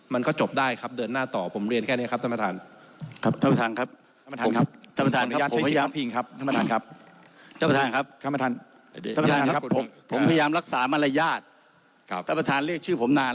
มันก็จบได้ครับเดินหน้าต่อผมเรียนแค่เนี่ยครับต้องผ่าน